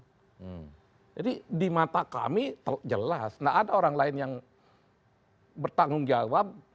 jadi di mata kami jelas tidak ada orang lain yang bertanggung jawab